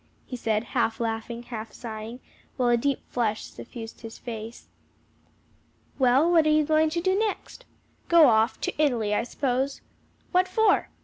he said, half laughing, half sighing, while a deep flush suffused his face. "Well, what are you going to do next?" "Go off to Italy, I suppose." "What for?"